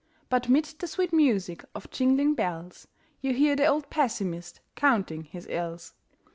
But 'mid the sweet music of jingling bells You hear the old pessimist counting his ills.